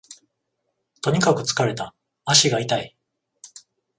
とにかく疲れた、足が痛い